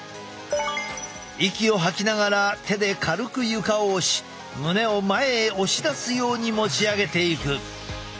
息を吐きながら手で軽く床を押し胸を前へ押し出すように持ち上げていく。